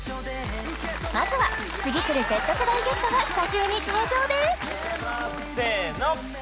まずは次くるＺ世代ゲストがスタジオに登場です